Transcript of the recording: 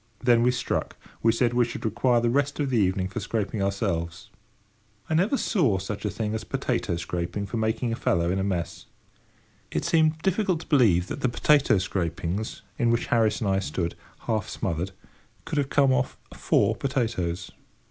Then we struck. We said we should require the rest of the evening for scraping ourselves. I never saw such a thing as potato scraping for making a fellow in a mess. It seemed difficult to believe that the potato scrapings in which Harris and I stood, half smothered, could have come off four potatoes.